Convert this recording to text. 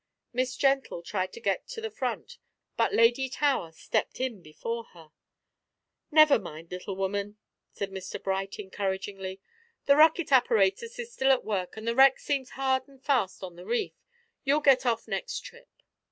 Miss Gentle tried to get to the front, but Lady Tower stepped in before her. "Never mind, little woman," said Mr Bright, encouragingly, "the rocket apparatus is still at work, and the wreck seems hard and fast on the reef. You'll get off next trip."